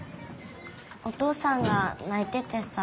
お父さんがないててさ。